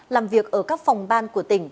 làm việc ở các phòng ban của tỉnh